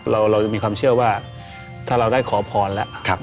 เรามีความเชื่อว่าถ้าเราได้ขอพรแล้ว